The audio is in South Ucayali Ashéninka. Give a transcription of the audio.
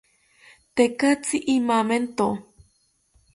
Tekatzi imamento